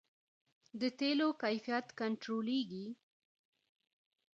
د تیلو کیفیت کنټرولیږي؟